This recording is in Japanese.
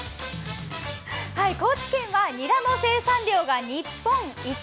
高知県はニラの生産量が日本一。